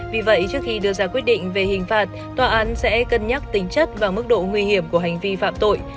vì vậy trước khi đưa ra quyết định về hình phạt tòa án sẽ cân nhắc tính chất và mức độ nguy hiểm của hành vi phạm tội